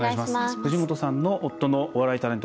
藤本さんの夫のお笑いタレント